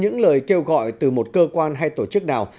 những lời kêu gọi từ một cơ quan hay tổ chức nào